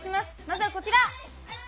まずはこちら！